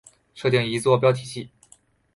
设定一坐标系。